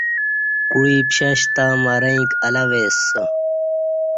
کوعی پشش تں مرݩیک الہ وے سہ